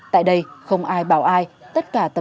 tại đây không ai bảo ai tất cả tập trung về đây